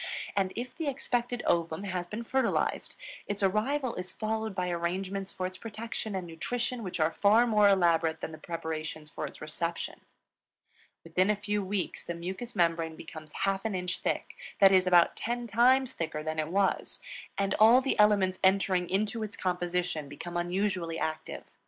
And if the expected ovum has been fertilized, its arrival is followed by arrangements for its protection and nutrition which are far more elaborate than the preparations for its reception. Within a few weeks the mucous membrane becomes half an inch thick, that is, about ten times thicker than it was; and all the elements entering into its composition, become unusually active.